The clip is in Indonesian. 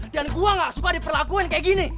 dan gue gak suka diperlakuin kayak gini